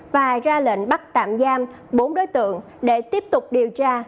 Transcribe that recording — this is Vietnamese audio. và ra lệnh bắt tạm giam bốn đối tượng để tiếp tục điều tra